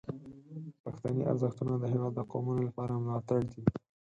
پښتني ارزښتونه د هیواد د قومونو لپاره ملاتړ دي.